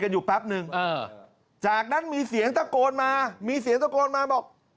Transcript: อยู่แป๊บนึงจากนั้นมีเสียงตะโกนมามีเสียงตะโกนมาบอก